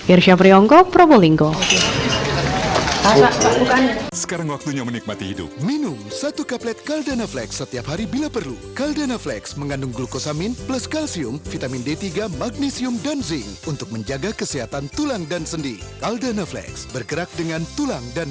irsyafri onggok probolinggo